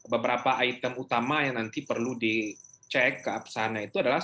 beberapa item utama yang nanti perlu dicek ke absana itu adalah